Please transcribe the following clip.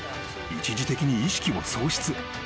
一時的に意識を喪失］